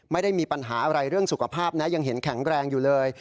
ไม่ได้มีปัญหาอะไรเรื่องสุขภาพนะยังเห็นแข็งแรงอยู่เลย